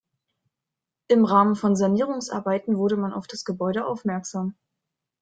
Im Rahmen von Sanierungsarbeiten wurde man auf das Gebäude aufmerksam.